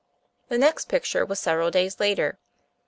The next picture was several days later.